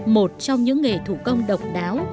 một trong những nghề thủ công độc đáo